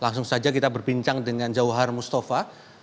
langsung saja kita berbincang dengan johar mustafa